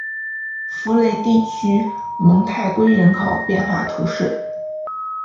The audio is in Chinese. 福雷地区蒙泰圭人口变化图示